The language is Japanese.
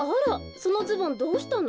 そのズボンどうしたの？